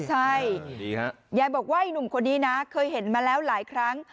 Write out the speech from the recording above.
ใช่ยายบอกว่าไอ้หนุ่มคนนี้นะเคยเห็นมาแล้วหลายครั้ง